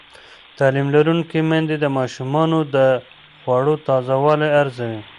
تعلیم لرونکې میندې د ماشومانو د خوړو تازه والی ارزوي.